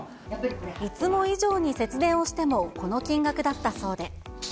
いつも以上に節電をしてもこの金額だったそうで。